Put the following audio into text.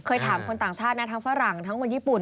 ถามคนต่างชาตินะทั้งฝรั่งทั้งคนญี่ปุ่น